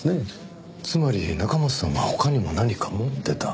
つまり中松さんは他にも何か持ってた。